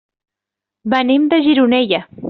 Venim de Gironella.